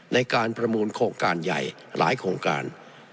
ในการประมูลโครงการใหญ่หลายโครงการ